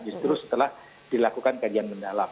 justru setelah dilakukan kajian mendalam